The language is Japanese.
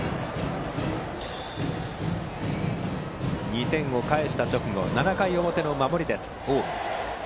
２点を返した直後７回の表の守りです、近江。